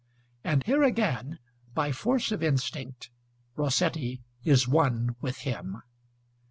And here again, by force of instinct, Rossetti is one with him.